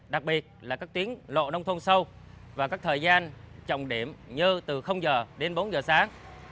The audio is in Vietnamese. đặc biệt là các tuyến lộ nông thôn sâu và các thời gian trọng điểm như từ giờ đến bốn giờ sáng